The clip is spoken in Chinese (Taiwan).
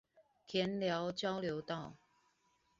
田寮交流道